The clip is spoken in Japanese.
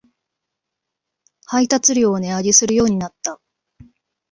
配達料を値上げするようになった